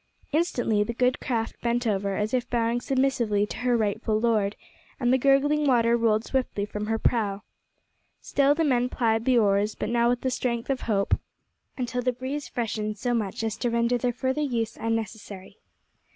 Instantly the good craft bent over, as if bowing submissively to her rightful lord, and the gurgling water rolled swiftly from her prow. Still the men plied the oars, but now with the strength of hope, until the breeze freshened so much as to render their further use unnecessary.